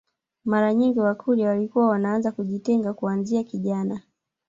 Mara nyingi wakurya walikuwa wanaanza kujitenga kuanzia kijana